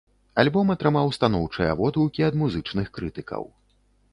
Альбом атрымаў станоўчыя водгукі ад музычных крытыкаў.